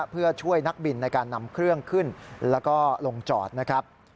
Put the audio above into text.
เพื่อช่วยนักบินในการนำเครื่องขึ้นแล้วก็ลงจอดนะครับ